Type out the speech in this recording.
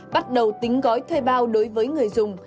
bắt đầu tính gói thuê bao đối với người dùng